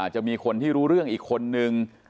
จะมีคนที่รู้เรื่องอีกคนนึง